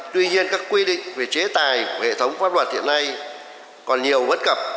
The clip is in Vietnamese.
tuy nhiên các quy định về chế tài của hệ thống pháp luật hiện nay còn nhiều vấn cập